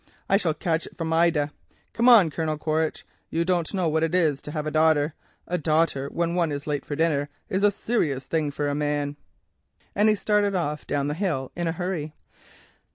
I shall catch it from Ida. Come on, Colonel Quaritch; you don't know what it is to have a daughter—a daughter when one is late for dinner is a serious thing for any man," and he started off down the hill in a hurry.